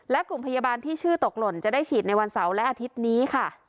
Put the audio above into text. และกลุ่มพยาบาลที่ชื่อตกหล่นจะได้ฉีดในวันเสาร์และอาทิตย์นี้ค่ะ